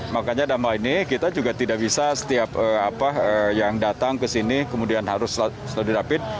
makanya dalam hal ini kita juga tidak bisa setiap yang datang ke sini kemudian harus selalu dirapit